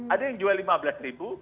ada yang jual rp lima belas ribu